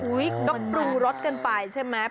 ดวกปรูรสเกินไปใช่ไหม